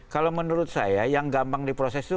kalau menurut saya yang gampang diproses itu